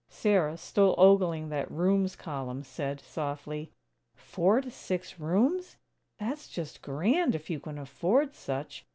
Sarah, still ogling that "rooms" column said, softly: "Four to six rooms? That's just grand if you can afford such.